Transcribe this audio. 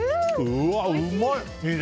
うわ、うまい！